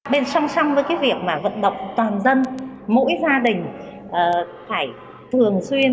bên song song với việc vận động toàn dân mỗi gia đình phải thường xuyên